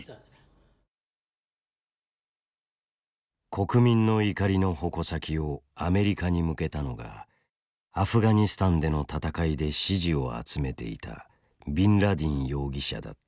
国民の怒りの矛先をアメリカに向けたのがアフガニスタンでの戦いで支持を集めていたビンラディン容疑者だった。